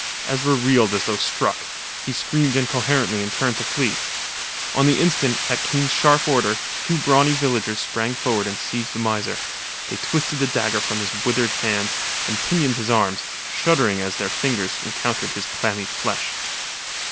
Ezra reeled as though struck; he screamed incoherently and turned to flee. On the instant, at Kane's sharp order, two brawny villagers sprang forward and seized the miser. They twisted the dagger from his withered hand, and pinioned his arms, shuddering as their fingers encountered his clammy flesh.